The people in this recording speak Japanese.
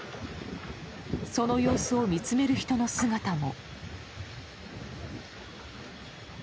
その様子を見つめる人の姿も。